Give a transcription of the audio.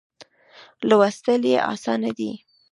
لوستل یې آسانه دي.